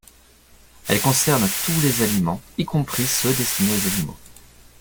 Elle concerne tous les aliments, y compris ceux destinés aux animaux.